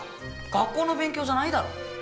学校の勉強じゃないだろ。